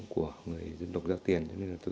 của người dân độc giao tiền